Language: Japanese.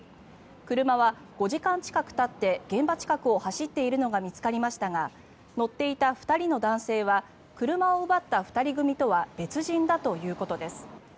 車は５時間近くたって現場近くを走っているのが見つかりましたが乗っていた２人の男性は車を奪った２人組とは別人だということです。